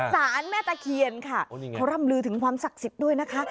แม่ตะเคียนค่ะเขาร่ำลือถึงความศักดิ์สิทธิ์ด้วยนะคะ